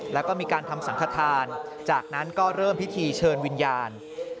แล้วก็มีการทำสังขทานจากนั้นก็เริ่มพิธีเชิญวิญญาณ